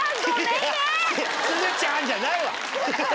いや、すずちゃん！じゃないわ。